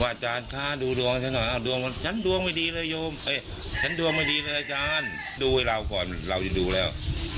ว่าอาจารย์คะดูดวงฉันดวงไม่ดีเลยดูให้เราก่อนเราจะดูแล้ว